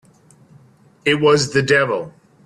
It was the devil!